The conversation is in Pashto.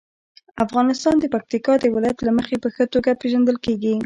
افغانستان د پکتیکا د ولایت له مخې په ښه توګه پېژندل کېږي.